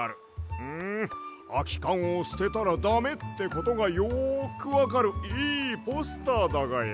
んあきかんをすてたらダメってことがよくわかるいいポスターだがや。